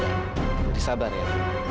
jadi sabar ya